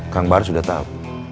kang bahar sudah tau